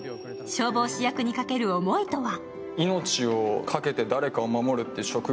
消防士役にかける思いとは？